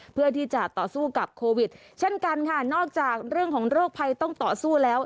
เพื่อที่จะต่อสู้กับโควิดเช่นกันค่ะนอกจากเรื่องของโรคภัยต้องต่อสู้แล้ว